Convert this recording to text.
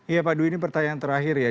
iya pak dwi ini pertanyaan terakhir ya